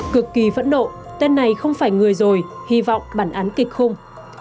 cực kỳ phẫn nộ tên này không phải người rồi hy vọng bản án kịch không